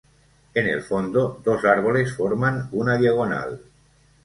En el fondo, dos árboles forman una diagonal.